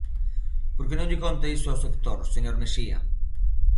¿Por que non lle conta iso ao sector, señor Mexía?